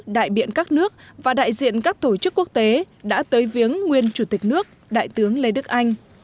đại biện các nước và đại diện các tổ chức quốc tế đã tới viếng nguyên chủ tịch nước đại tướng lê đức anh